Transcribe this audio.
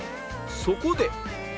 そこで